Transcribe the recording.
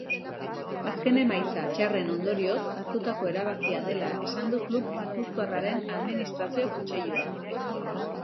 Azken emaitza txarren ondorioz hartutako erabakia dela esan du klub gipuzkoarraren administrazio kontseiluak.